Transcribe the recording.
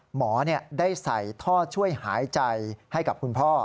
หมอได้ใส่ท่อช่วยหายใจให้กับคุณพ่อ